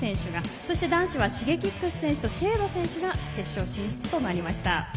そして男子はＳｈｉｇｅｋｉｘ選手とＳＨＡＤＥ選手が決勝進出となりました。